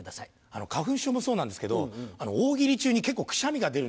あの花粉症もそうなんですけど大喜利中に結構くしゃみが出るんですよね